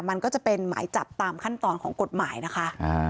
มันก็จะเป็นหมายจับตามขั้นตอนของกฎหมายนะคะ